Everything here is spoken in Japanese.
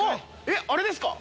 えっあれですか？